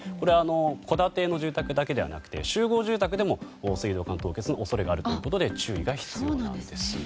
戸建ての住宅だけではなくて集合住宅でも水道管凍結の恐れがあるということで注意が必要なんです。